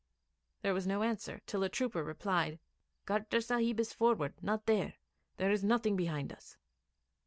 There was no answer, till a trooper replied: 'Carter Sahib is forward not there. There is nothing behind us.'